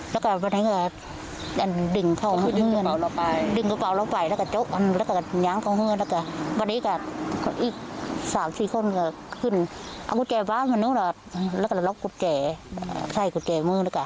แล้วก็ล็อกกุศแจไส้กุศแจมือละก่อน